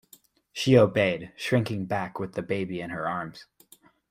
She obeyed, shrinking back with the baby in her arms.